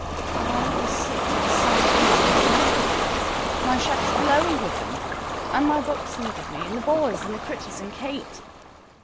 I was sick for the sight of a Navajo blanket. My shack's glowing with them. And my books needed me, and the boys, and the critters, and Kate."